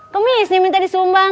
kemis nih minta disumbang